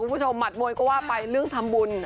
คุณผู้ชมมัดโมยก็ว่าไปเรื่องทำบุญ